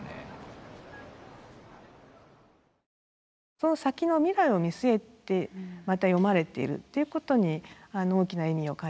その先の未来を見据えてまた詠まれているっていうことに大きな意味を感じますね。